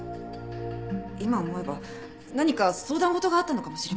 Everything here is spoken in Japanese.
今思えば何か相談事があったのかもしれません。